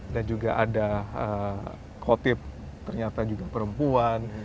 dan juga ada kotip ternyata perempuan